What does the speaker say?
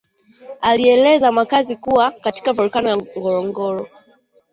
Alieleza makazi huko katika valkano ya Ngorongoro